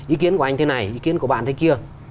ý kiến của anh thế này ý kiến của bạn thế kia